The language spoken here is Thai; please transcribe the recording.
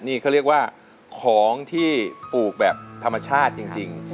นี่เขาเรียกว่าของที่ปลูกแบบธรรมชาติจริง